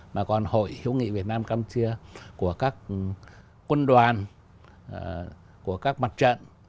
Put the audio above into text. mà còn hội hiếu nghị việt nam campuchia của các quân đoàn của các mặt trận